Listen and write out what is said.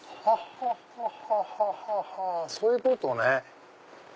そういうことね。